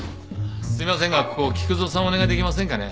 すいませんがここ菊蔵さんお願いできませんかね？